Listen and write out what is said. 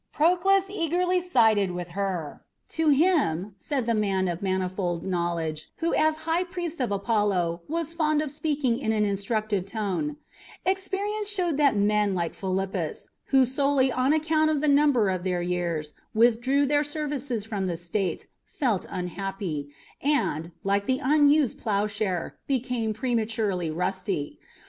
Proclus eagerly sided with her. "To him," said the man of manifold knowledge, who as high priest of Apollo was fond of speaking in an instructive tone, "experience showed that men like Philippus, who solely on account of the number of their years withdrew their services from the state, felt unhappy, and, like the unused ploughshare, became prematurely rusty.